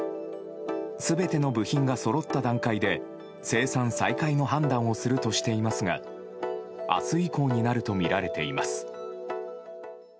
全ての部品がそろった段階で生産再開の判断をするとしていますが明日以降になるとみられています。